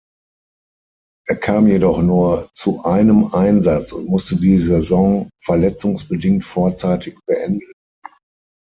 Er kam jedoch nur zu einem Einsatz und musste die Saison verletzungsbedingt vorzeitig beenden.